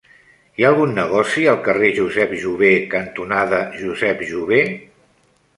Hi ha algun negoci al carrer Josep Jover cantonada Josep Jover?